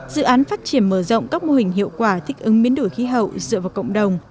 dự án phát triển mở rộng các mô hình hiệu quả thích ứng biến đổi khí hậu dựa vào cộng đồng